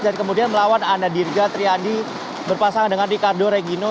dan kemudian melawan anadirga triandi berpasangan dengan ricardo regino